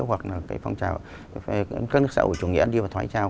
hoặc là cái phong trào về các nước xã hội chủ nghĩa đi vào thoái trao